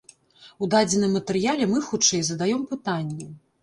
У дадзеным матэрыяле мы, хутчэй, задаём пытанні.